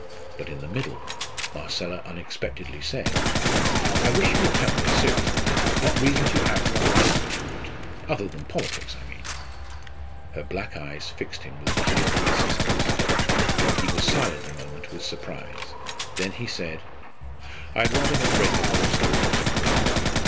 But in the middle Marcella unexpectedly said: "I wish you would tell me, seriously, what reasons you have for not liking Mr. Wharton? other than politics, I mean?" Her black eyes fixed him with a keen insistence. He was silent a moment with surprise; then he said: "I had rather not rake up old scores."